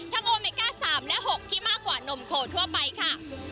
โอเมก้า๓และ๖ที่มากกว่านมโคทั่วไปค่ะ